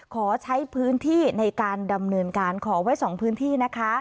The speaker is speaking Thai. ขอใช้พื้นที่ในการดำเนินการขอไว้๒พื้นที่นะคะ